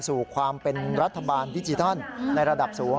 สู่ความเป็นรัฐบาลดิจิทัลในระดับสูง